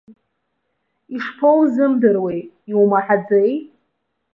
Ишԥоузымдыруеи, иумаҳаӡеи?!